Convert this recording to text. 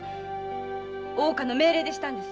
大岡の命令でしたんです。